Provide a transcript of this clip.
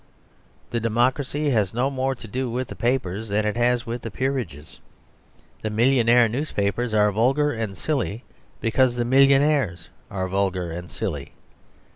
The democracy has no more to do with the papers than it has with the peerages. The millionaire newspapers are vulgar and silly because the millionaires are vulgar and silly.